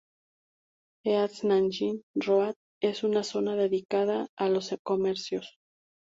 East Nanjing Road es una zona dedicada a los comercios.